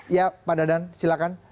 ya pak dadan silakan